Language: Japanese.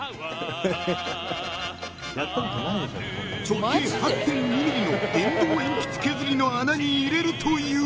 ［直径８．２ｍｍの電動鉛筆削りの穴に入れるという］